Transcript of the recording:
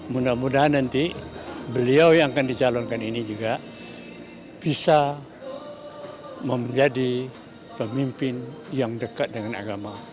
mudah mudahan nanti beliau yang akan dicalonkan ini juga bisa menjadi pemimpin yang dekat dengan agama